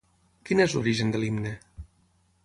Quin és l'origen de l'himne?